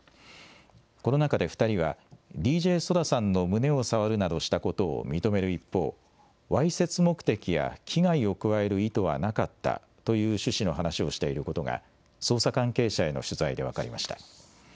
この中で２人は、ＤＪＳＯＤＡさんの胸を触るなどしたことを認める一方、わいせつ目的や危害を加える意図はなかったという趣旨の話をしていることが、捜査関係者への取材で分かりました。